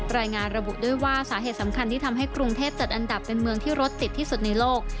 รายงานระบุด้วยว่าสาเหตุสำคัญที่ทำให้กรุงเทพจัดอันดับเป็นเมืองที่รถติดที่สุดในโลก